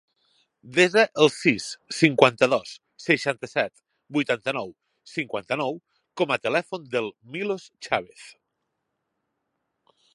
Desa el sis, cinquanta-dos, seixanta-set, vuitanta-nou, cinquanta-nou com a telèfon del Milos Chavez.